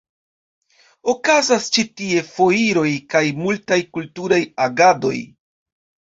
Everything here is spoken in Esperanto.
Okazas ĉi tie foiroj kaj multaj kulturaj agadoj.